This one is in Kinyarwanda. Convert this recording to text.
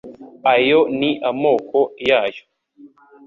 Ayo ni Amoko yayo